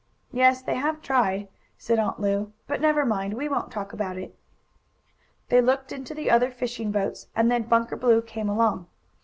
"Yes, they have tried," said Aunt Lu. "But never mind, we won't talk about it." They looked into the other fishing boats, and then Bunker Blue came along.